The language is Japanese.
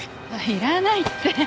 いらないって。